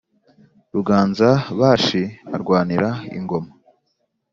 ruganza-bashi arwanira ingoma